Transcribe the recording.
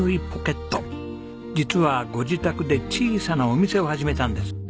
実はご自宅で小さなお店を始めたんです。